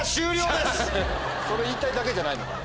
それ言いたいだけじゃないのかな。